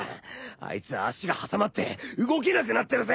あいつ足が挟まって動けなくなってるぜ！